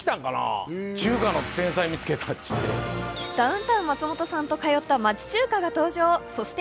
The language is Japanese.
ダウンタウン・松本さんと通った町中華が登場、そして